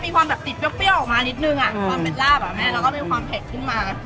มีความเผ็ดขึ้นมา